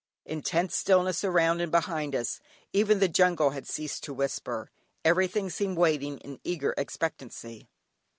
Intense stillness around and behind us; even the jungle had ceased to whisper. Everything seemed waiting in eager expectancy.